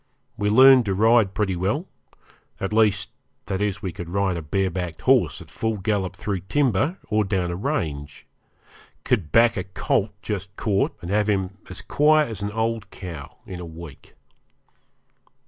We learned to ride pretty well at least, that is we could ride a bare backed horse at full gallop through timber or down a range; could back a colt just caught and have him as quiet as an old cow in a week.